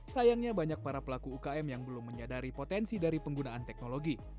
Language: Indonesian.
sayangnya banyak para pelaku ukm yang belum menyadari potensi dari penggunaan teknologi